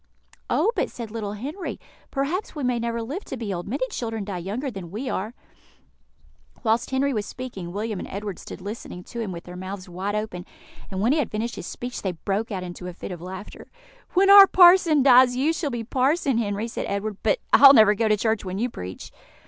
"Oh, but," said little Henry, "perhaps we may never live to be old; many children die younger than we are." Whilst Henry was speaking, William and Edward stood listening to him with their mouths wide open, and when he had finished his speech they broke out into a fit of laughter. "When our parson dies, you shall be parson, Henry," said Edward; "but I'll never go to church when you preach."